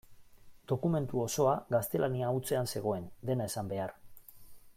Dokumentu osoa gaztelania hutsean zegoen, dena esan behar.